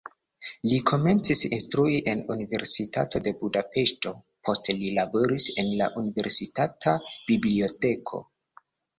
Li komencis instrui en Universitato de Budapeŝto, poste li laboris en la universitata biblioteko.